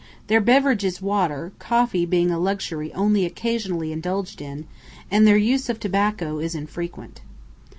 Their beverage is water, coffee being a luxury only occasionally indulged in, and their use of tobacco is infrequent.